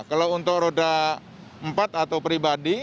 kalau untuk roda empat atau pribadi